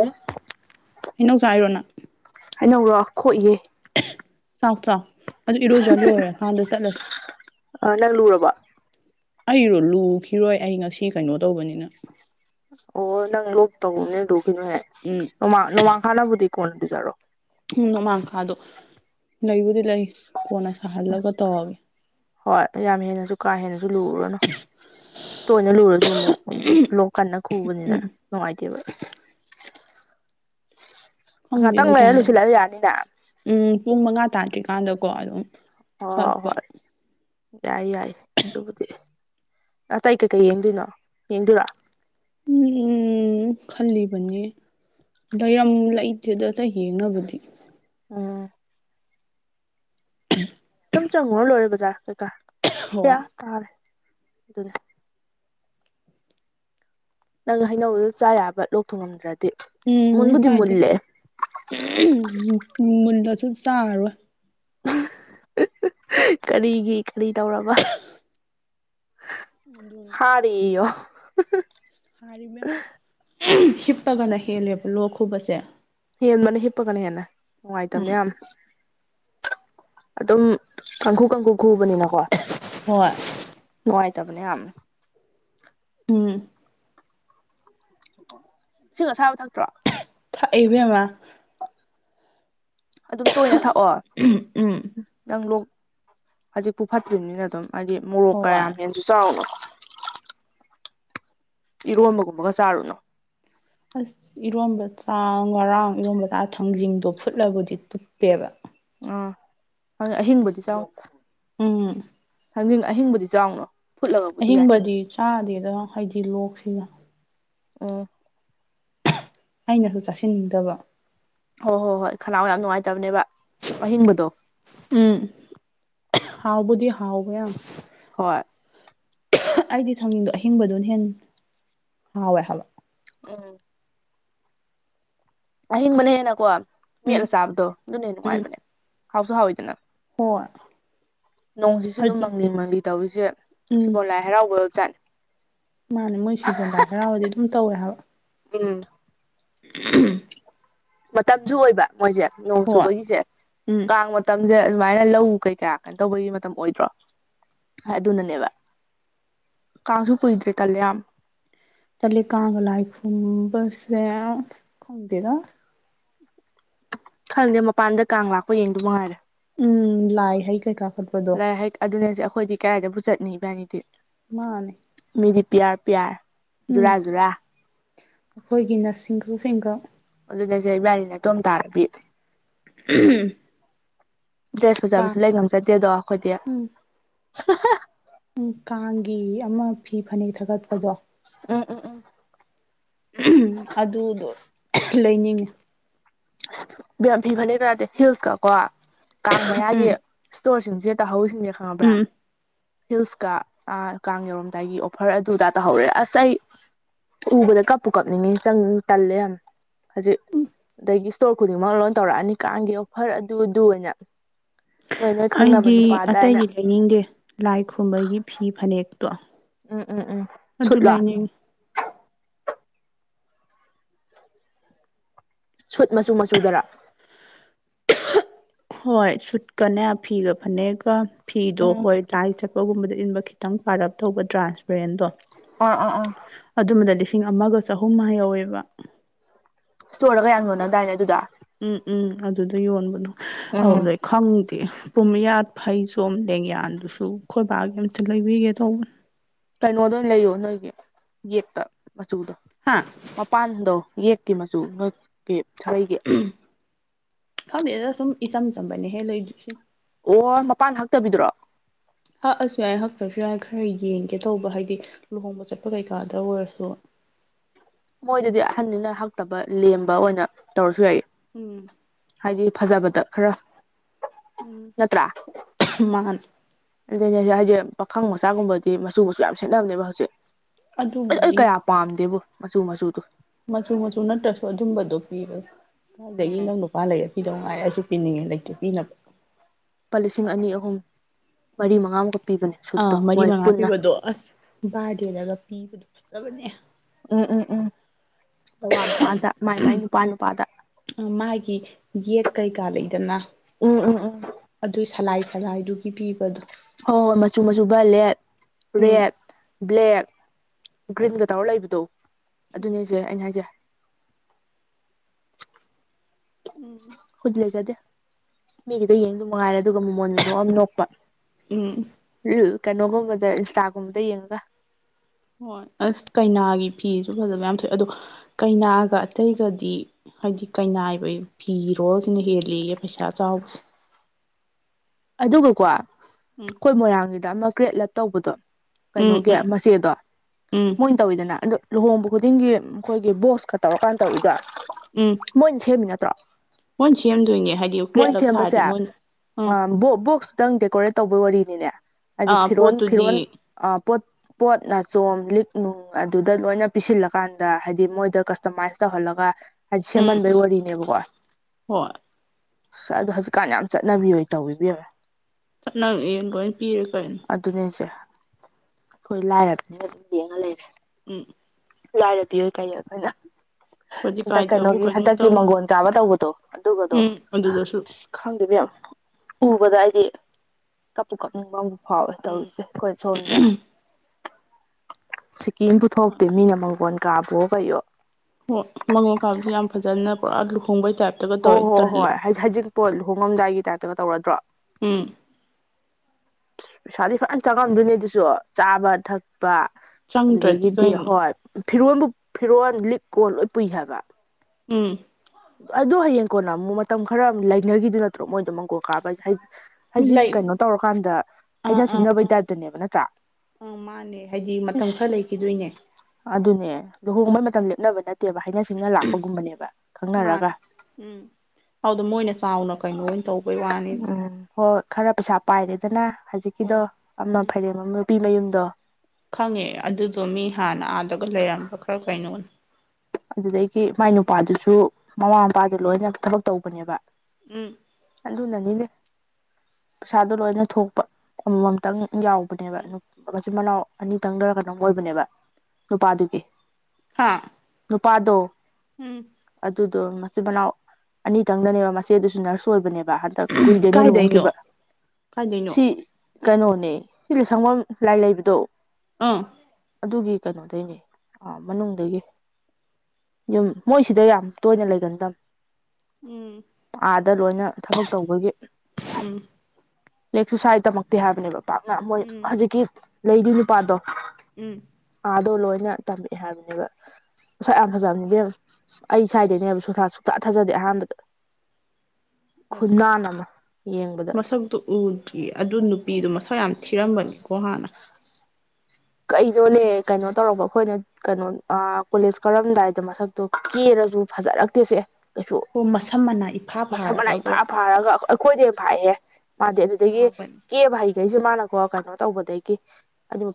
ꯑꯣ ꯍꯩꯅꯧꯁꯥ ꯍꯥꯏꯔꯣꯅ ꯍꯥꯏꯅꯧꯔ ꯈꯣꯌꯦ ꯆꯥꯎꯥꯎ ꯆꯥꯎ ꯑꯗꯨ ꯏꯔꯣꯏꯖꯥꯠ ꯂꯣꯏꯔꯦ ꯍꯥꯟꯅꯗ ꯆꯠꯂꯁꯤ ꯑ ꯅꯪ ꯂꯨꯔꯕ ꯑꯩꯔꯣ ꯂꯨꯈꯤꯔꯣꯏ ꯑꯩ ꯉꯁꯤ ꯀꯩꯅꯣ ꯇꯧꯕꯅꯤꯅ ꯑꯣ ꯅꯪ ꯂꯣꯛ ꯇꯧꯅꯦ ꯑꯗꯨ ꯀꯅꯣꯍꯦ ꯑꯦ ꯅꯣꯡꯃ ꯅꯣꯡꯃꯥꯡꯈꯥꯅꯕꯨꯗꯤ ꯀꯣꯟꯗꯨꯖꯔꯣ ꯅꯃꯥꯡꯈꯥꯗꯣ ꯂꯩꯕꯨꯗꯤ ꯂꯩ ꯀꯣꯟꯅ ꯁꯥꯍꯜꯂꯒ ꯇꯧꯔꯒꯦ ꯍꯣꯏ ꯌꯥꯝ ꯍꯦꯟꯅꯁꯨ ꯀꯥ ꯍꯦꯟꯅꯁꯨ ꯂꯨꯔꯅꯨ ꯇꯣꯏꯅ ꯂꯨꯔꯁꯨ ꯑꯃꯨꯛ ꯂꯣꯛ ꯀꯟꯅ ꯈꯨꯕꯅꯤꯅ ꯅꯨꯡꯉꯥꯏꯇꯦꯕ ꯉꯥꯛꯇꯪ ꯈꯪꯗꯦꯗꯣ ꯂꯩꯔ ꯀꯌꯥꯝ ꯀꯅꯣ ꯂꯨꯁꯤꯜꯂꯛꯑ ꯌꯥꯅꯤꯅ ꯎꯝ ꯄꯨꯡ ꯃꯉꯥ ꯇꯥꯗ꯭ꯔꯤꯀꯥꯟꯗꯀꯣ ꯑꯗꯨꯝ ꯑꯣ ꯆꯠꯄ ꯍꯣꯏ ꯌꯥꯏ ꯌꯥꯏ ꯑꯗꯨꯕꯨꯗꯤ ꯑꯇꯩ ꯀꯩꯀꯩ ꯌꯦꯡꯗꯣꯏꯅꯣ ꯌꯦꯡꯗꯣꯏꯔꯣ ꯎꯝ ꯎꯝ ꯈꯜꯜꯂꯤꯕ ꯂꯩꯔꯝ ꯂꯩꯇꯦꯗ ꯑꯇ ꯌꯦꯡꯅꯕꯗꯤ ꯎꯝ ꯁꯨꯝ ꯆꯪꯉꯨꯔ ꯂꯣꯏꯔꯦ ꯕꯖꯥꯔ ꯀꯩꯀꯥ ꯀꯌꯥ ꯍꯣꯏ ꯇꯥꯔꯦ ꯑꯗꯨꯗꯤ ꯅꯪ ꯍꯩꯅꯧꯗꯨꯗ ꯆꯥ ꯌꯥꯕ ꯂꯣꯛ ꯊꯨꯡꯉꯝꯗ꯭ꯔꯗꯤ ꯎꯝ ꯃꯨꯟꯕꯨꯗꯤ ꯀꯥꯏꯗꯦ ꯃꯨꯜꯂꯦ ꯃꯨꯗꯁꯨ ꯆꯥꯔꯣꯏ ꯀꯔꯤꯒꯤ ꯀꯔꯤ ꯇꯧꯔꯕ ꯑꯗꯨ ꯍꯥꯔꯤꯣ ꯍꯥꯏꯔꯤ ꯃꯦꯝ ꯍꯤꯞꯇꯒꯅ ꯍꯦꯜꯂꯦꯕ ꯂꯣꯛ ꯈꯨꯕꯁꯦ ꯍꯦꯟꯕꯅ ꯍꯤꯞꯄꯒꯅ ꯍꯦꯟꯅ ꯅꯨꯡꯉꯥꯏꯇꯕꯅꯦ ꯌꯥꯝ ꯑꯗꯨꯝ ꯀꯥꯡꯈꯨ ꯀꯥꯡꯈꯨ ꯈꯨꯕꯅꯤꯃꯀꯣ ꯍꯣꯏ ꯅꯨꯡꯉꯥꯏꯇꯕꯅꯦ ꯌꯥꯝꯅ ꯎꯝ ꯁꯤꯒ ꯁꯥꯥꯕ ꯊꯛꯇ꯭ꯔꯣ ꯊ ꯏꯕ ꯃꯥ ꯑꯗꯨꯝ ꯇꯣꯏꯅ ꯊꯥꯛꯑꯣ ꯎꯝ ꯅꯪ ꯂꯣꯛ ꯍꯧꯖꯤꯛꯄꯨ ꯐꯠꯇ꯭ꯔꯤꯕꯅꯤꯅ ꯑꯗꯨꯝ ꯍꯥꯏꯗꯤ ꯃꯣꯔꯣꯛ ꯀꯌꯥꯝ ꯍꯋꯥꯏ ꯍꯦꯟ ꯆꯥꯎꯅꯣ ꯏꯔꯣꯟꯝꯕꯒꯨꯝꯕꯒ ꯆꯥꯔꯨꯅꯨ ꯑꯁ ꯏꯔꯣꯝꯕ ꯆꯥꯛ ꯉꯔꯥꯡ ꯏꯔꯣꯝꯕ ꯆꯥ ꯊꯥꯡꯖꯤꯡꯗꯣ ꯐꯨꯠꯂꯕꯨꯗꯤ ꯇꯨꯞꯇꯦꯕ ꯑꯥꯪ ꯑꯍꯤꯡꯕꯨꯗꯤ ꯆꯥꯎ ꯎꯝ ꯍꯪꯖꯤꯡ ꯑꯍꯤꯡꯕꯗꯤ ꯆꯥꯎꯅꯣ ꯑꯍꯤꯡꯕꯗꯤ ꯆꯥꯗꯦꯗ ꯍꯥꯏꯗꯤ ꯂꯣꯛꯁꯤꯅ ꯑ ꯑꯩꯅꯁꯨ ꯆꯥꯁꯤꯟꯅꯤꯡꯗꯕ ꯍꯣꯏ ꯍꯣꯏ ꯍꯣꯏ ꯈꯅꯥꯡ ꯌꯥꯝ ꯅꯨꯡꯉꯥꯏꯇꯕꯅꯦꯕ ꯋꯥꯍꯤꯡꯕꯗꯣ ꯎꯝ ꯍꯥꯎꯕꯨꯗꯤ ꯍꯥꯎꯕ ꯌꯥꯝ ꯍꯣꯏ ꯑꯩꯗꯤ ꯊꯝꯅꯤꯡꯗꯣ ꯑꯍꯤꯡꯕꯗꯨꯅ ꯍꯦ ꯍꯥꯎꯋꯦ ꯍꯥꯜꯂ ꯎꯝ ꯑꯍꯤꯡꯕꯅ ꯍꯦꯟꯅꯀꯣ ꯎꯝ ꯃꯦꯠꯂ ꯆꯥꯕꯗꯣ ꯑꯗꯨꯅ ꯍꯦꯟꯅ ꯎꯝ ꯅꯨꯡꯉꯥꯏꯕꯅꯦ ꯍꯥꯎꯁꯨ ꯍꯥꯎꯋꯤꯗꯅ ꯍꯣꯏ ꯅꯣꯡꯁꯤꯁꯨ ꯑꯗꯨꯝ ꯍꯥꯏꯗꯤ ꯃꯪꯂꯤ ꯃꯪꯂꯤ ꯇꯧꯔꯤꯁꯦ ꯎꯝ ꯁꯤꯐꯥꯎ ꯂꯥꯛ ꯍꯦꯔꯥꯎꯒꯜ ꯆꯥꯟ ꯃꯥꯅꯦ ꯃꯣꯏ ꯁꯤꯕꯣꯟ ꯂꯥꯏ ꯍꯔꯥꯎꯕꯗꯤ ꯑꯗꯨꯝ ꯇꯧꯋꯦ ꯍꯥꯏꯕ ꯎꯝ [inaudible] ꯃꯇꯝꯁꯨ ꯑꯣꯏꯕ ꯃꯣꯏꯁꯦ ꯅꯣꯡ ꯍꯣꯏ ꯁꯨꯕꯒꯤꯁꯦ ꯎꯝ ꯀꯥꯡꯕ ꯃꯇꯝꯁꯦ ꯑꯗꯨꯃꯥꯏꯅ ꯂꯧ ꯀꯩꯀꯥ ꯀꯩꯅꯣ ꯇꯧꯕꯒꯤ ꯃꯇꯝ ꯑꯣꯏꯗ꯭ꯔꯣ ꯑꯗꯨꯅꯅꯦꯕ ꯀꯥꯡꯁꯨ ꯀꯨꯏꯗ꯭ꯔꯦ ꯇꯂ ꯌꯥꯝ ꯇꯦ ꯀꯥꯒ ꯂꯥꯛꯏ ꯈꯨꯕꯁꯦ ꯈꯗꯦꯔ ꯈꯪꯗꯦ ꯃꯄꯥꯟꯗ ꯀꯥꯡ ꯂꯥꯛꯄ ꯌꯦꯡꯗꯕ ꯃꯉꯥꯏꯔꯦ ꯎꯝ ꯂꯥꯏ ꯍꯩ ꯀꯩꯀꯥ ꯀꯠꯄꯗꯣ ꯑꯗꯨꯅꯁꯦ ꯑꯩꯈꯣꯏꯗꯤ ꯀꯗꯥꯏꯗꯕꯨ ꯆꯠꯅꯤ ꯏꯕꯥꯅꯤꯗꯤ ꯃꯥꯅꯦ ꯃꯤꯔꯤ ꯄꯤꯔ ꯄꯤꯌꯥꯔ ꯎꯝ ꯖꯨꯔꯥ ꯖꯨꯔꯥ ꯑꯩꯈꯣꯏꯒꯤꯅ ꯁꯤꯡꯒꯧ ꯁꯤꯡꯒꯧ ꯑꯗꯨꯗꯁꯨ ꯏꯕꯥꯔꯤꯅꯇꯣꯝ ꯇꯥꯔꯕꯤ ꯗ꯭ꯔꯦꯁ ꯐꯖꯕꯁꯨ ꯀꯥꯡ ꯂꯩ ꯉꯝꯖꯗꯦꯗꯣ ꯑꯩꯈꯣꯏꯗꯤ ꯎꯝ ꯎꯝ ꯀꯥꯡꯒꯤ ꯑꯃ ꯐꯤ ꯐꯅꯦꯛ ꯊꯥꯒꯠꯄꯗꯣ ꯎꯝ ꯎꯝ ꯑꯗꯨꯗꯣ ꯂꯩꯅꯤꯡꯉꯤ ꯌꯥꯝ ꯐꯤ ꯐꯅꯦꯛꯛꯇ ꯅꯠꯇꯦ ꯍꯤꯜꯁꯀ ꯀꯣ ꯀꯥꯡ ꯃꯌꯥꯒꯤ ꯎꯝ ꯏꯁꯇꯣꯔꯁꯤꯡꯁꯦ ꯇꯥꯍꯧꯁꯤ ꯈꯕ꯭ꯔꯥ ꯎꯝ ꯍꯤꯜꯁꯀ ꯀꯥꯡ ꯌꯧꯔꯣꯝꯗꯥꯏꯒꯤ ꯑꯣꯐꯔ ꯑꯗꯨꯗ ꯇꯥꯍꯧꯔꯦ ꯑꯁ ꯑꯩ ꯎꯕꯗ ꯀꯞꯄꯨ ꯀꯞꯅꯤꯡꯉꯤ ꯆꯪ ꯇꯜꯂꯦ ꯌꯥꯝ ꯍꯧꯖꯤꯛ ꯑꯗꯒꯤ ꯏꯁꯇꯣꯔ ꯈꯨꯗꯤꯡꯃꯛ ꯂꯣꯟ ꯇꯧꯔꯛꯑꯅꯤꯀꯥꯟꯒꯤ ꯑꯣꯐꯔ ꯑꯗꯨꯗꯨ ꯑꯣꯏꯅ ꯅꯣꯏ ꯅꯣꯏ ꯈꯪꯅꯕ ꯑꯩꯗꯤ ꯅꯨꯄꯥꯗ ꯑꯩꯅ ꯑꯇꯩꯗꯤ ꯍꯩꯅꯤꯡꯗꯦ ꯂꯥꯏ ꯈꯨꯔꯕꯒꯤ ꯐꯤ ꯐꯅꯦꯛꯇꯣ ꯎꯝ-ꯎꯝ-ꯎꯝ ꯑꯗꯨ ꯁꯨꯠꯂ ꯂꯩꯅꯤꯡꯉꯤ ꯁꯨꯠ ꯃꯆꯨ ꯃꯆꯨꯗꯔꯥ ꯍꯣꯏ ꯁꯨꯠꯀꯅꯦ ꯐꯤꯒ ꯐꯅꯦꯛꯒ ꯐꯤꯗꯣ ꯎꯝ ꯍꯣꯏ ꯂꯥꯏ ꯆꯠꯄꯒꯨꯝꯕꯗ ꯏꯟꯕ ꯈꯤꯇꯪ ꯄꯥꯔꯞ ꯇꯧꯕ ꯇ꯭ꯔꯥꯟꯁꯄꯔꯦꯟꯗꯣ ꯑꯥ ꯑꯥ ꯑꯥ ꯑꯗꯨꯝꯕꯗ ꯂꯤꯁꯤꯡ ꯑꯃꯒ ꯆꯍꯨꯝ ꯍꯏꯍꯧꯋꯦꯕ ꯁ꯭ꯇꯣꯔꯗꯒ ꯌꯥꯝ ꯌꯣꯟꯅꯝꯗꯥꯏꯅꯦ ꯑꯗꯨꯗ ꯎꯝ-ꯎꯝ ꯑꯗꯨꯗ ꯌꯣꯟꯕꯗꯣ ꯎꯝ ꯑꯗꯨꯗꯩ ꯈꯪꯗꯦ ꯄꯨꯡꯌꯥꯠ ꯐꯩꯖꯣꯝ ꯂꯦꯡꯌꯥꯟꯗꯨꯁꯨ ꯈꯣꯏꯕꯥꯒꯤ ꯑ ꯑꯃꯇ ꯂꯩꯕꯤꯒꯦ ꯇꯧꯕꯅꯦ ꯀꯩꯅꯣꯗ ꯑꯣꯏꯅ ꯂꯩꯌꯣ ꯅꯣꯏꯒꯤ ꯌꯦꯛꯇ ꯃꯆꯨꯗꯣ ꯍꯥꯥ ꯃꯄꯥꯟꯗꯣ ꯌꯦꯛꯀꯤ ꯃꯆꯨ ꯅꯣꯏꯒꯤ ꯁꯂꯏꯒꯤ ꯈꯪꯗꯗ ꯁꯨꯝ ꯏꯆꯝ ꯆꯝꯕꯅꯦꯍꯦ ꯂꯩꯗ꯭ꯣꯏꯁ ꯑꯣ ꯃꯄꯥꯟ ꯍꯇꯕꯤꯗ꯭ꯔꯣ ꯍꯛꯑꯁꯨ ꯌꯥꯏ ꯍꯛꯇ꯭ꯔꯁꯨ ꯌꯥꯏ ꯈꯔ ꯌꯦꯡꯒꯦ ꯇꯧꯕ ꯍꯥꯏꯗꯤ ꯂꯨꯍꯣꯡꯕ ꯆꯠꯄ ꯀꯩꯀꯥꯗ ꯑꯣꯏꯔꯁꯨ ꯃꯣꯏꯗꯗꯤ ꯑꯍꯟꯅꯤꯅ ꯍꯛꯇꯕ ꯂꯦꯝꯕ ꯑꯣꯏꯅ ꯇꯧꯔꯁꯨ ꯌꯥꯏꯌꯦ ꯎꯝ ꯍꯥꯏꯗꯤ ꯐꯖꯕꯗ ꯈꯔ ꯎꯝ ꯅꯠꯇ꯭ꯔꯥ ꯃꯥꯥꯅꯦ ꯑꯗꯨꯅꯦ ꯍꯥꯏꯗꯤ ꯄꯥꯈꯪ ꯃꯆꯥꯒꯨꯝꯕꯗꯤ ꯃꯆꯨꯒꯁꯨ ꯌꯥꯝ ꯁꯦꯠꯅꯕꯝꯅꯦꯕ ꯍꯧꯖꯤꯛ ꯑꯗꯨꯕꯨꯗꯤ ꯀꯌꯥ ꯄꯥꯝꯗꯦꯕ ꯃꯆꯨ ꯃꯆꯨꯗꯣ ꯃꯆꯨ ꯃꯆꯨ ꯅꯠꯇ꯭ꯔꯁꯨ ꯑꯗꯨꯝꯕꯗꯣ ꯄꯤꯔ ꯗꯒꯤ ꯎꯝ ꯅꯪ ꯅꯨꯄꯥ ꯂꯩꯔ ꯐꯤꯗꯧꯉꯥꯏꯔꯦ ꯑꯩꯁꯨ ꯄꯤꯅꯤꯡꯉꯦ ꯂꯩꯇꯦ ꯄꯤꯅꯕ ꯂꯨꯄꯥ ꯂꯤꯁꯤꯡ ꯑꯅꯤ ꯑꯍꯨꯝ ꯃꯔꯤ ꯃꯉꯥꯃꯨꯛ ꯑꯥ ꯃꯔꯤ ꯃꯉꯥ ꯄꯤꯕꯗꯣ ꯑꯁ ꯕꯥꯔꯗꯦꯗꯒ ꯄꯤꯕꯗꯣ ꯐꯖꯕꯅꯦ ꯎꯝ-ꯎꯝ-ꯎꯝ ꯃꯋꯥ ꯃꯋꯥꯗ ꯃꯥꯏ-ꯃꯥꯏ ꯅꯨꯄꯥ ꯅꯨꯄꯥꯗ ꯎꯝ ꯃꯥꯒꯤ ꯌꯦꯛ ꯀꯩꯀꯥ ꯂꯩꯗꯅ ꯎꯝ-ꯎꯝ-ꯎꯝ ꯑꯗꯨꯏ ꯁꯂꯥꯏ ꯁꯂꯥꯏꯗꯨꯒꯤ ꯄꯤꯕꯗꯣ ꯍꯣꯏ-ꯍꯣꯏ ꯃꯆꯨ-ꯃꯆꯨ ꯕꯂꯦꯠ ꯎꯝ ꯔꯦꯠ ꯕ꯭ꯂꯦꯛ ꯍꯣ ꯒ꯭ꯔꯤꯟꯒ ꯇꯧꯔꯒ ꯂꯩꯕꯗꯣ ꯎꯝ ꯑꯗꯨꯅꯦꯁꯦ ꯑꯩꯅ ꯍꯥꯏꯁꯦ ꯎꯝ ꯍꯨꯗꯤ ꯂꯩꯖꯗꯦ ꯃꯤꯒꯤꯗ ꯌꯦꯡꯗ ꯃꯅꯨꯡꯉꯥꯏꯔꯦ ꯑꯗꯨꯒ ꯃꯃꯣꯟ ꯅꯣꯛꯑꯝ ꯅꯣꯛꯄ ꯎꯝ ꯎ ꯀꯩꯅꯣꯒꯨꯝꯕꯗ ꯏꯟꯁꯇꯥꯒꯨꯝꯕꯗ ꯌꯦꯡꯉꯒ ꯍꯣꯏ ꯑꯁ ꯀꯩꯅꯥꯒꯤ ꯐꯤꯁꯨ ꯐꯖꯕ ꯌꯥꯝ ꯊꯣꯛꯑꯦ ꯑꯗꯣ ꯀꯩꯅꯥꯒ ꯑꯇꯩꯒꯗꯤ ꯍꯥꯏꯗꯤ ꯀꯩꯅꯥꯏꯕꯩ ꯐꯤꯔꯣꯁꯤꯅ ꯍꯦꯜꯂꯤꯌꯦ ꯄꯩꯁꯥ ꯆꯥꯎꯕꯁꯦ ꯑꯗꯨꯒꯀꯣ ꯎꯝ ꯑꯩꯈꯣꯏ ꯃꯣꯏꯔꯥꯡꯒꯤꯗ ꯑꯃ ꯀ꯭ꯔꯦꯠꯂꯞ ꯇꯧꯕꯗꯣ ꯎꯝ ꯀꯩꯅꯣꯒꯤ ꯎꯝ ꯃꯆꯦꯗꯣ ꯎꯝ ꯃꯣꯏ ꯇꯧꯋꯤꯗꯅ ꯑꯗꯣ ꯂꯨꯍꯣꯡꯕ ꯈꯨꯗꯤꯡꯒꯤ ꯃꯈꯣꯏꯒꯤ ꯕꯣꯛꯁꯀ ꯇꯧꯔꯀꯥꯟ ꯇꯧꯋꯤꯗꯣ ꯎꯝ ꯃꯣꯏꯅ ꯁꯦꯝꯃꯤ ꯅꯠꯇ꯭ꯔꯣ ꯃꯣꯏ ꯁꯦꯝꯗꯣꯏꯅꯦ ꯍꯥꯏꯗꯤ ꯃꯣꯏꯅ ꯀ꯭ꯔꯦꯠꯂꯞ ꯁꯦꯝꯕꯁꯦ ꯊꯥꯔꯗꯤ ꯃꯣꯏꯅꯗ ꯕꯣꯛꯁꯇꯪ ꯗꯦꯀꯣꯔꯦꯠ ꯇꯧꯕꯩ ꯋꯥꯔꯤꯅꯤꯅꯦ ꯍꯥꯏꯗꯤ ꯑꯥ ꯄꯣꯠꯇꯨꯗꯤ ꯐꯤꯔꯣꯜ-ꯐꯤꯔꯣꯜ ꯄꯣꯠ ꯄꯣꯠ ꯆꯣꯝ ꯂꯤꯛ ꯅꯨꯡ ꯑꯗꯨꯗ ꯂꯣꯏꯅ ꯄꯤꯁꯤꯜꯂꯀꯥꯟꯗ ꯍꯥꯏꯗꯤ ꯃꯣꯏꯗ ꯀꯁꯇꯃꯥꯏꯁ ꯇꯧꯍꯜꯂꯒ ꯍꯥꯏꯗꯤ ꯁꯦꯝꯍꯟꯕꯩ ꯋꯥꯔꯤꯅꯦꯕꯀꯣ ꯑ ꯍꯣꯏ ꯑꯗꯣ ꯍꯧꯖꯤꯛꯀꯥꯟ ꯌꯥꯝ ꯆꯠꯅꯕꯤ ꯑꯣꯏ ꯇꯧꯏ ꯏꯕꯦꯝꯃ ꯆꯅ ꯌꯦꯟ ꯂꯣꯏꯅ ꯄꯤꯔꯦ ꯀꯅꯣ ꯑꯗꯨꯅꯤꯁꯦ ꯑꯩꯈꯣꯏ ꯂꯥꯏꯔꯕꯅꯤ ꯑꯗꯨꯝ ꯌꯦꯡꯉ ꯂꯩꯔꯦ ꯎꯝ ꯂꯥꯏꯔꯕꯤꯌꯨ ꯇꯥꯏ ꯑꯩꯈꯣꯏꯅ ꯍꯧꯖꯤꯛ ꯍꯟꯗꯛ ꯀꯥꯏꯗꯕꯨ ꯀꯩꯅꯣꯒꯤ ꯀꯩꯅꯣ ꯍꯟꯗꯛꯀꯤ ꯇꯧ ꯃꯪꯒꯣꯟ ꯀꯥꯕ ꯇꯧꯕꯗꯣ ꯑꯗꯨꯒꯗꯣ ꯎꯝ ꯑꯗꯨꯗꯁꯨ ꯈꯪꯗꯦ ꯃꯌꯥꯝ ꯎꯕꯗ ꯍꯥꯏꯗꯤ ꯀꯞꯄꯨ ꯀꯥꯞꯅꯤꯡꯕ ꯑꯃꯨ ꯐꯥꯎꯋꯦ ꯎꯝ ꯇꯧꯔꯤꯁꯦ ꯑꯩꯈꯣꯏ ꯁꯣꯝꯗ ꯁꯤꯀꯤꯝ ꯄꯨꯊꯣꯛꯇꯦ ꯍꯣꯏ ꯃꯤꯅ ꯃꯥꯡꯒꯣꯟ ꯀꯥꯕꯑꯣ ꯀꯩꯌꯣ ꯍꯣ ꯃꯥꯡꯒꯣꯟ ꯀꯥꯕꯖꯤ ꯌꯥꯝ ꯐꯖꯅ ꯄꯨꯔꯥ ꯂꯨꯍꯣꯡꯕꯩ ꯇꯥꯏꯞ ꯍꯣ ꯍꯣꯏ ꯍꯣꯏ ꯍꯩ ꯍꯩꯖꯤꯡꯄꯣꯠ ꯂꯨꯍꯣꯡꯉꯝꯗꯥꯏꯒꯤ ꯇꯥꯏꯞꯇꯒ ꯇꯧꯔꯗ꯭ꯔꯣ ꯎꯝ ꯄꯩꯁꯥꯗꯤ ꯐꯖꯅ ꯆꯥꯉꯝꯗꯣꯏꯅꯤ ꯑꯗꯨꯁꯨ ꯆꯥꯕ ꯊꯛꯄ ꯆꯪꯗ꯭ꯔꯗꯤ ꯑꯗꯨꯗꯒꯤꯗꯤ ꯀꯩꯅꯣ ꯍꯣꯏ ꯐꯤꯔꯣꯟꯕꯨ ꯐꯤꯔꯣꯟ ꯂꯤꯛ ꯀꯣꯟ ꯂꯣꯏ ꯄꯨꯏ ꯍꯥꯏꯕ ꯎꯝ ꯑꯗꯨ ꯍꯌꯦꯡ ꯀꯣꯟꯅ ꯑꯃꯨꯛ ꯃꯇꯝ ꯈꯔ ꯂꯩꯅꯒꯤꯗꯨ ꯅꯠꯇ꯭ꯔꯣ ꯃꯣꯏꯗꯣ ꯃꯥꯡꯒꯣꯜ ꯀꯥꯕ ꯍꯥꯏꯖꯦ ꯍꯩ ꯍꯩꯖꯤꯡ ꯂꯩ ꯀꯩꯅꯣ ꯇꯧꯔꯀꯥꯟꯗ ꯑꯥ ꯍꯥꯏꯅ ꯑꯥ ꯁꯤꯡꯅꯕꯩ ꯑꯥ ꯇꯥꯏꯞꯇꯅꯦꯕ ꯅꯠꯇ꯭ꯔꯥ ꯑꯥ ꯃꯥꯅꯦ ꯍꯥꯏꯗꯤ ꯃꯇꯝ ꯈꯔ ꯂꯩꯈꯤꯗꯣꯏꯅꯦ ꯑꯗꯨꯅꯦ ꯂꯨꯍꯣꯡꯕꯩ ꯃꯇꯝ ꯂꯦꯞꯅꯕ ꯅꯠꯇꯦꯕ ꯍꯥꯏꯅ ꯁꯤꯡꯅ ꯂꯥꯛꯄꯒꯨꯝꯕꯅꯦꯕ ꯈꯪꯅꯔꯒ ꯃꯥꯅꯦ ꯎꯝ ꯑꯗꯨꯗ ꯃꯣꯏꯅ ꯆꯥꯎꯅ ꯀꯩꯅꯣ ꯑꯣꯏꯅ ꯇꯧꯕꯩ ꯋꯥꯅꯤꯗ ꯍꯣꯏ ꯈꯔ ꯄꯩꯁꯥ ꯄꯥꯏꯔꯦꯗꯅ ꯍꯖꯤꯛꯀꯤꯗꯣ ꯑꯣ ꯑꯃ ꯎꯝ ꯐꯩꯔꯦꯝꯕꯝ ꯅꯨꯄꯤ ꯃꯌꯨꯝꯗꯣ ꯈꯪꯉꯦ ꯑꯗꯨꯗꯣ ꯃꯤ ꯍꯥꯟꯅ ꯑꯥꯗꯒ ꯂꯩꯔꯝꯕ ꯈꯔ ꯀꯩꯅꯣꯅꯤ ꯑꯗꯨꯗꯒꯤ ꯃꯥꯏ ꯅꯨꯄꯥꯗꯨꯁꯨ ꯃꯃꯥ ꯃꯄꯥꯗꯨ ꯂꯣꯏꯅ ꯊꯕꯛ ꯇꯧꯕꯅꯦꯕ ꯎꯝ ꯑꯗꯨꯅꯅꯤꯅꯦ ꯄꯩꯁꯥꯗꯣ ꯂꯣꯏꯅ ꯊꯣꯛꯄ ꯑꯃꯃꯝꯇꯪ ꯌꯥꯎ ꯄꯅꯦꯕ ꯅꯨꯞ ꯃꯆꯤꯟ ꯃꯅꯥꯎ ꯑꯅꯤꯇꯪꯗꯔ ꯀꯩꯅꯣꯝ ꯑꯣꯏꯕꯅꯦꯕ ꯅꯨꯄꯥꯗꯨꯒꯤ ꯍꯥꯥ ꯅꯨꯄꯥꯗꯣ ꯎꯝ ꯑꯗꯨꯗꯣ ꯃꯆꯤꯟ ꯃꯅꯥꯎ ꯑꯅꯤꯇꯪꯗꯅꯦꯕ ꯃꯆꯦꯗꯨꯁꯨ ꯅꯔꯁ ꯑꯣꯏꯕꯅꯦꯕ ꯍꯟ ꯇ ꯀꯨꯏꯗꯦꯅꯦ ꯀꯥꯏꯗꯩꯅꯣ ꯂꯨꯍꯣꯡꯈꯤꯕ ꯀꯥꯏꯗꯩꯅꯣ ꯁꯤ ꯀꯩꯅꯣꯅꯦ ꯁꯤ ꯂꯩꯁꯪꯕꯝ ꯂꯥꯏ ꯂꯩꯕꯗꯣ ꯑꯥ ꯑꯗꯨꯒꯤ ꯀꯩꯅꯣꯗꯩꯅꯦ ꯑꯥ ꯃꯅꯨꯡꯗꯒꯤ ꯌꯨꯝ ꯃꯣꯏꯁꯤꯗ ꯌꯥꯝ ꯇꯣꯏꯅ ꯂꯩꯒꯟꯗꯝ ꯎꯝ ꯑꯥꯗ ꯂꯣꯏꯅ ꯊꯕꯛ ꯇꯧꯕꯒꯤ ꯎꯝ ꯂꯩꯔꯤꯛꯁꯨꯨ ꯁꯥꯏ ꯇꯝꯃꯛꯇꯦ ꯍꯥꯏꯕꯅꯦꯕ ꯄꯥꯛꯅ ꯃꯣꯏ ꯎꯝ ꯍꯧꯖꯤꯛꯀꯤ ꯂꯩꯗꯣꯏ ꯅꯨꯄꯥꯗꯣ ꯎꯝ ꯑꯥꯗꯣ ꯂꯣꯏꯅ ꯇꯝꯃꯛꯑꯦ ꯍꯥꯏꯕꯅꯦꯕ ꯃꯁꯛ ꯌꯥꯝ ꯐꯖꯕꯅꯦꯏꯕꯦꯝꯃ ꯑꯩ ꯁ꯭ꯋꯥꯗꯩꯅꯦꯕ ꯁꯨꯡꯊꯥ ꯁꯨꯛꯇꯥ ꯊꯥꯖꯗꯦ ꯑꯍꯥꯟꯕꯗ [inaudible] ꯑꯃ ꯌꯦꯡꯕꯗ ꯃꯁꯛ ꯇꯣ ꯎꯗ꯭ꯔꯤꯌꯦ ꯑꯗꯨ ꯅꯨꯄꯤꯗꯣ ꯃꯁꯛ ꯌꯥꯝ ꯊꯤꯔꯝꯕꯅꯤꯀꯣ ꯍꯥꯟꯅ ꯀꯩꯅꯣꯅꯦ ꯀꯩꯅꯣ ꯇꯧꯔꯕ ꯑꯩꯈꯣꯏꯅ ꯀꯩꯅꯣ ꯑꯥ ꯀꯣꯂꯦꯖ ꯀꯔꯝꯗꯥꯏꯗ ꯃꯁꯛꯇꯣ ꯀꯦꯔꯖꯨ ꯐꯖꯔꯛꯇꯦꯁꯦ ꯀꯩꯁꯨ ꯍꯣ ꯃꯁꯝ ꯃꯅꯥ ꯏꯐꯥ ꯃꯁꯝ ꯃꯅꯥꯏ ꯐꯥꯔꯒꯀꯣ ꯐꯥ ꯐꯥꯔꯒ ꯑꯛ ꯑꯩꯈꯣꯏꯗꯤ ꯍꯦꯟ ꯐꯥꯏꯌꯦ ꯃꯥꯗꯤ ꯑꯗꯨꯗꯒꯤ ꯐꯥꯕꯅꯤ ꯀꯦꯕ ꯍꯩ ꯁꯤꯗꯩꯖꯤ ꯃꯥꯅꯀꯣ ꯀꯩꯅꯣ ꯇꯧꯕꯗꯒꯤ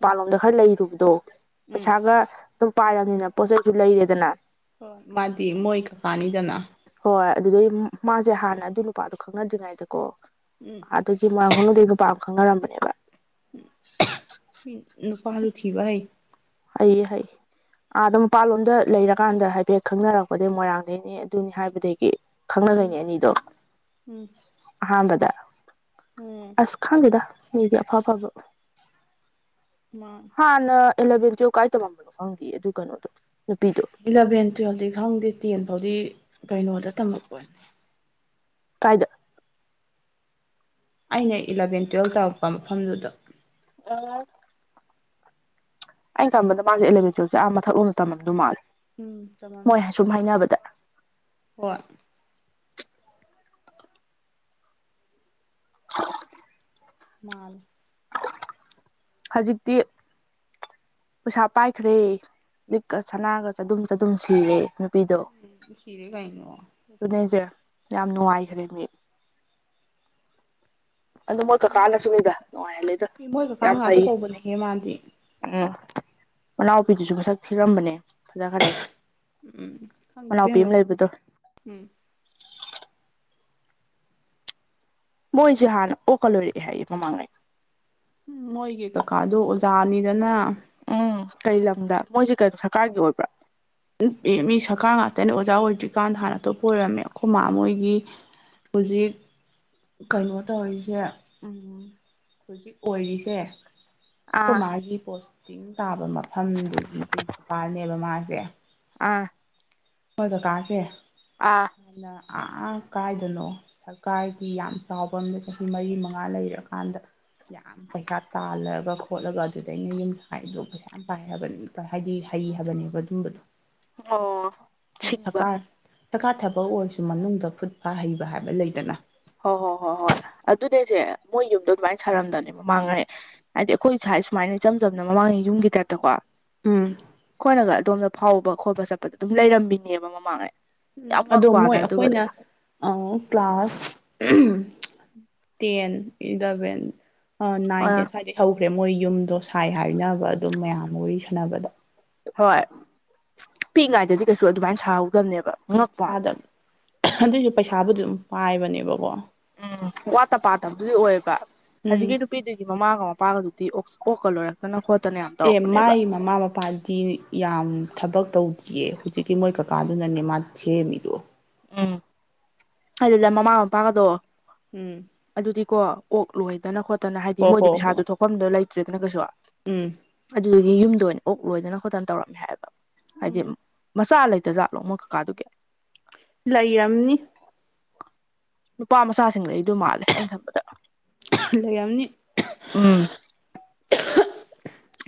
ꯎꯝ ꯄꯥꯟꯂꯣꯝꯗ ꯈꯔ ꯂꯩꯔꯨꯕꯗꯣ ꯎꯝ ꯄꯩꯁꯥꯒ ꯑꯗꯨꯝ ꯄꯥꯏꯔꯕꯅꯤꯅ ꯄꯣꯠ ꯆꯩꯁꯨ ꯂꯩꯔꯦꯗꯅ ꯍ ꯃꯥꯗꯤ ꯃꯣꯏ ꯀꯛꯀꯥ ꯅꯤꯗꯅꯥ ꯍꯣꯏ ꯑꯗꯨꯗꯩ ꯃꯥꯖꯦ ꯍꯥꯟꯅ ꯑꯗꯨ ꯅꯨꯄꯥꯗꯣ ꯈꯪꯅꯗ꯭ꯔꯤꯉꯩꯗꯀꯣ ꯎꯝ ꯑꯗꯨꯒꯤ ꯃꯣꯏꯔꯥꯡ ꯈꯨꯅꯩꯗꯩ ꯅꯨꯄꯥ ꯑꯝ ꯈꯪꯅꯔꯝꯕꯅꯦꯕ ꯃꯤ ꯅꯨꯄꯥꯖꯨ ꯊꯤꯕ ꯍꯩ ꯍꯩꯌꯦ ꯍꯩ ꯑꯥꯗ ꯃꯄꯥꯟꯂꯣꯝꯗ ꯂꯩꯔꯀꯥꯟꯗ ꯍꯥꯏꯐꯦꯠ ꯈꯪꯅꯔꯛꯄꯗꯒꯤ ꯃꯣꯏꯔꯥꯡꯗꯩꯅꯦ ꯑꯗꯨꯅꯦ ꯍꯥꯏꯕꯗꯒꯤ ꯈꯪꯅꯗꯣꯏꯅꯦ ꯎꯝ ꯑꯅꯤꯗꯣ ꯎꯝ ꯑꯍꯥꯟꯕꯗ ꯎꯝ ꯑꯥꯁ ꯈꯪꯗꯦ ꯑꯩꯗꯤ ꯑꯐꯥ ꯑꯐꯥꯕ ꯃꯥ ꯍꯥꯟꯅ ꯑꯦꯂꯚꯦꯟ ꯇꯨꯋꯦꯜꯞ ꯀꯥꯏ ꯇꯧꯃꯝꯕꯅꯣ ꯈꯪꯗꯦ ꯑꯗꯨ ꯀꯩꯅꯣꯗꯣ ꯅꯨꯄꯤꯗꯣ ꯏꯂꯚꯦꯟ ꯇꯨꯌꯦꯦꯜꯐꯇꯤ ꯈꯪꯗꯦ ꯇꯦꯟ ꯐꯥꯎꯗꯤ ꯀꯩꯅꯣꯗ ꯇꯝꯃꯛꯄꯅꯦ ꯀꯥꯏꯗ ꯑꯩꯅ ꯏꯂꯕꯦꯟ ꯇꯨꯌꯦꯜꯞ ꯇꯧꯔꯛꯄ ꯃꯐꯝꯗꯨꯗ ꯑꯣ ꯑꯩꯅ ꯈꯟꯕꯗ ꯃꯥꯁꯦ ꯑꯦꯂꯕꯦꯟ ꯇꯨꯋꯜꯞꯁꯦ ꯑꯥ ꯃꯊꯥꯛ ꯂꯣꯝꯗ ꯇꯝꯃꯝꯗꯧ ꯃꯥꯂꯦ ꯎꯝ ꯇꯝꯃꯝꯅꯤ ꯁꯨꯝ ꯍꯥꯏꯅꯕꯗ ꯍꯣꯏ ꯃꯥꯜꯂꯦ ꯍꯧꯖꯤꯛꯇꯤ ꯄꯩꯁꯥ ꯄꯥꯏꯈ꯭ꯔꯦ ꯂꯤꯛꯀ ꯁꯅꯥꯒ ꯆꯗꯨꯝ ꯆꯗꯨꯝ ꯁꯤꯔꯦ ꯅꯨꯄꯤꯗꯣ ꯁꯤꯔꯦ ꯒꯩꯅꯣ ꯑꯗꯨꯅꯦꯁꯦ ꯌꯥꯝ ꯅꯨꯡꯉꯥꯏꯈ꯭ꯔꯦ ꯃꯤ ꯑꯗꯨ ꯃꯣꯏ ꯀꯀꯥ ꯅꯁꯨꯅꯅꯤꯗ ꯅꯨꯡꯉꯥꯏꯍꯜꯂꯦꯗꯣ ꯃꯣꯏ ꯌꯥꯝ ꯀꯀꯥꯅ ꯉꯥꯛꯇ ꯐꯩ ꯇꯧꯕꯅꯦꯍꯦ ꯃꯥꯗꯤ ꯎꯝ ꯃꯅꯥꯎꯄꯤꯗꯨꯁꯨ ꯃꯁꯛ ꯊꯤꯔꯝꯕꯅꯦ ꯐꯖꯈ꯭ꯔꯦ ꯎꯝ ꯈꯪꯗꯦ ꯢꯕꯦꯝꯃ ꯎꯝ ꯃꯣꯏꯁꯦ ꯍꯥꯟꯅ ꯑꯣꯛꯒꯥ ꯂꯣꯏꯔꯛꯑꯦ ꯍꯥꯏꯌꯦ ꯃꯃꯥꯡꯉꯩ ꯎꯝ ꯃꯣꯏꯒꯤ ꯀꯀꯥꯗꯣ ꯑꯣꯖꯥꯅꯤꯗꯅ ꯎꯝ ꯀꯩ ꯂꯝꯗ ꯃꯣꯏꯁꯦ ꯀꯩ ꯁꯔꯀꯥꯔꯒꯤ ꯑꯣꯏꯕ꯭ꯔꯥ ꯃꯤ ꯁꯔꯀꯥꯔ ꯉꯥꯛꯇꯅꯦ ꯑꯣꯖꯥ ꯑꯣꯏꯗ꯭ꯔꯤꯀꯥꯟꯗ ꯍꯥꯟꯅ ꯑꯇꯣꯞꯄ ꯑꯣꯏꯔꯝꯃꯦ ꯑꯩꯈꯣꯏ ꯃꯥ ꯃꯣꯏꯒꯤ ꯍꯧꯖꯤꯛ ꯀꯩꯅꯣ ꯇꯧꯔꯤꯁꯦ ꯎ ꯍꯧꯖꯤꯛ ꯑꯣꯏꯔꯤꯁꯦ ꯈꯣꯢ ꯑꯥ ꯃꯥꯒꯤ ꯄꯣꯁꯇꯤꯡ ꯇꯥꯕ ꯃꯐꯝꯗꯨꯒꯤ ꯄ꯭ꯔꯤꯟꯁꯤꯄꯥꯜꯅꯦꯕ ꯃꯥꯁꯦ ꯑꯥ ꯑꯈꯣꯢ ꯀꯀꯥ ꯁꯦ ꯑꯥ ꯑꯗꯨꯅ ꯑꯥ ꯀꯥꯏꯗꯅꯣ ꯁꯔꯀꯥꯔꯒꯤ ꯌꯥꯝ ꯆꯥꯎꯕ ꯑꯃꯗ ꯆꯍꯤ ꯃꯔꯤ ꯃꯉꯥ ꯂꯩꯔꯀꯥꯟꯗ ꯌꯥꯝ ꯄꯩꯁꯥ ꯇꯥꯜꯂꯒ ꯈꯣꯠꯂꯒ ꯑꯗꯨꯗꯩꯅꯦ ꯌꯨꯝ ꯁꯒꯥꯢꯗꯣ ꯄꯩꯁꯥ ꯌꯥꯝ ꯄꯥꯏꯔꯕꯅꯦ ꯍꯥꯏꯗꯤ ꯍꯩ ꯍꯥꯏꯕꯅꯦꯕ ꯑꯗꯨꯝꯕꯗꯣ ꯑꯣ ꯁꯤꯡꯕ ꯁꯔꯀꯥꯔ ꯁꯔꯀꯥꯔ ꯊꯕꯛ ꯑꯣꯏꯔꯁꯨ ꯃꯅꯨꯡꯗ ꯈꯨꯠ ꯁꯥ ꯍꯩꯕ ꯍꯥꯏꯕ ꯂꯩꯗꯅ ꯍꯣꯏ ꯍꯣꯏ ꯍꯣꯏ ꯍꯣꯏ ꯑꯗꯨꯅꯦꯁꯦ ꯃꯣꯏ ꯌꯨꯝꯗꯣ ꯑꯗꯨꯃꯥꯏꯅ ꯁꯥꯔꯝꯗꯕꯅꯦ ꯃꯃꯥꯡꯉꯩ ꯍꯥꯏꯗꯤ ꯑꯩꯈꯣꯏ ꯁꯥꯏ ꯁꯨꯃꯥꯏꯅ ꯏꯆꯝ ꯆꯝꯅ ꯃꯃꯥꯡꯉꯩ ꯌꯨꯝꯒꯤ ꯇꯥꯏꯞꯇꯀꯣ ꯎꯝ ꯑꯩꯈꯣꯏꯅꯒ ꯑꯗꯣꯝꯗ ꯐꯥꯎꯕ ꯈꯣꯠꯄ ꯆꯠꯄꯗ ꯑꯗꯨꯝ ꯂꯩꯔꯝꯃꯤꯅꯦꯕ ꯃꯃꯥꯡꯉꯩ ꯎꯝ ꯌꯥꯝ ꯑꯗꯣ ꯉꯛꯄ ꯋꯥꯅꯦ ꯃꯣꯏ ꯑꯗꯨꯒꯗꯤ ꯑꯩꯈꯣꯏꯅ ꯑ class ten eleven nine ten ꯁ꯭ꯋꯥꯏꯗꯩ ꯍꯧꯈ꯭ꯔꯦ ꯃꯣꯏ ꯌꯨꯝꯗꯣ ꯁꯥꯏ ꯍꯥꯏꯅꯕ ꯑꯗꯨꯝ ꯃꯌꯥꯝ ꯑꯃ ꯋꯥꯔꯤ ꯁꯥꯟꯅꯕꯗꯣ ꯍꯣꯏ ꯄꯤꯛꯏꯉꯥꯏꯗꯗꯤ ꯀꯩꯁꯨ ꯑꯗꯨꯃꯥꯏꯅ ꯁꯥꯍꯧꯗꯕꯅꯦꯕ ꯎꯝ ꯉꯛꯄ ꯄꯩꯁꯥꯗ ꯋꯥꯅꯤꯗ ꯑꯗꯨꯏꯁꯨ ꯄꯩꯁꯥꯕꯨꯗꯤ ꯑꯗꯨꯝ ꯄꯥꯏꯕꯅꯦꯕꯀꯣ ꯎꯝ ꯋꯥꯠꯇ ꯄꯥꯇꯕꯗꯨꯗꯤ ꯑꯣꯏꯌꯦꯕ ꯎꯝ ꯍꯧꯖꯤꯛꯀꯤ ꯅꯨꯄꯤꯗꯨꯒꯤ ꯃꯃꯥꯒ ꯃꯄꯥꯒꯗꯨꯗꯤ ꯀꯣꯛꯀ ꯂꯣꯏꯔꯦ ꯈꯣꯠꯇꯅ ꯌꯥꯝ ꯑꯦ ꯇꯧꯔꯛꯄꯅꯦꯕ ꯃꯥꯏ ꯃꯃꯥ ꯃꯄꯥꯗꯤ ꯌꯥꯝ ꯊꯕꯛ ꯇꯧꯗꯦꯌꯦ ꯍꯧꯖꯤꯛꯀꯤ ꯃꯣꯏ ꯀꯀꯥꯗꯨꯅꯅꯦ ꯃꯥ ꯁꯦꯝꯃꯤꯗꯣ ꯎꯝ ꯑꯗꯨꯗ ꯃꯃꯥ ꯃꯄꯥꯒꯗꯣ ꯎꯝ ꯑꯗꯨꯗꯤ ꯀꯣ ꯑꯣꯛ ꯂꯣꯏꯗꯅ ꯈꯣꯠꯇꯅ ꯍꯥꯏꯗꯤ ꯍꯣ ꯍꯣ ꯃꯣꯏꯗꯤ ꯄꯩꯁꯥꯗꯣ ꯍꯣꯏ ꯊꯣꯛꯐꯝꯗꯨ ꯂꯩꯇ꯭ꯔꯦꯗꯅ ꯀꯩꯁꯨ ꯎꯝ ꯑꯗꯨꯗꯤ ꯌꯨꯝꯗ ꯑꯣꯏꯅ ꯑꯣꯛ ꯂꯣꯏꯗꯅ ꯈꯣꯠꯇꯅ ꯇꯧꯔꯝꯃꯦ ꯍꯥꯏꯕ ꯍꯥꯏꯗꯤ ꯃꯆꯥ ꯂꯩꯇ ꯖꯥꯠꯂꯣꯡ ꯑꯃꯛ ꯀꯥꯗꯨ ꯀꯦ ꯂꯩꯑꯅꯤ ꯅꯨꯄꯥ ꯃꯆꯥꯁꯤꯡꯗ ꯑꯩꯗ ꯃꯥꯜꯂꯦ ꯑꯩꯅ ꯈꯟꯕꯗ ꯂꯩꯅꯤ ꯎꯝ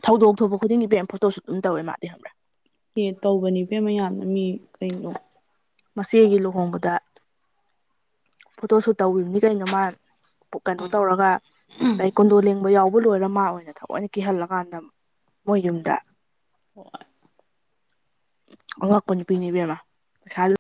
ꯊꯧꯗꯣꯛ ꯊꯣꯛꯄ ꯈꯨꯗꯤꯡꯒꯤꯄꯦꯝ ꯐꯣꯇꯣꯁꯨꯠ ꯑꯗꯨꯝ ꯇꯧꯋꯦ ꯃꯥꯗꯤꯦ꯭ꯔꯥ ꯑꯦ ꯇꯧꯕꯅꯤ ꯏꯕꯦ ꯃꯌꯥꯝꯅ ꯃꯤ ꯀꯩꯅꯣ ꯃꯆꯦ ꯑꯩꯒꯤ ꯂꯨꯍꯣꯡꯕꯗ ꯐꯣꯇꯣ ꯁꯨꯠ ꯇꯧꯕꯅꯤ ꯀꯩꯅꯣ ꯃꯥ ꯀꯩꯅꯣ ꯇꯧꯔꯒ ꯀꯩ ꯀꯣꯟꯗꯣ ꯂꯦꯡꯕ ꯌꯥꯎꯕ ꯂꯣꯏꯔ ꯃꯥ ꯑꯣꯏꯅ ꯊꯕꯑꯣꯏꯅ ꯀꯤꯍꯜꯂꯀꯥꯟꯗ ꯃꯣꯏ ꯌꯨꯝꯗ ꯑꯉꯛꯄ ꯅꯨꯄꯤꯅꯦꯕꯦꯝꯃ ꯄꯩꯁꯥ